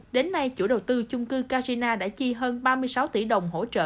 đến nay chủ đầu tư chung cư casina đã chi hơn ba mươi sáu tỷ đồng hỗ trợ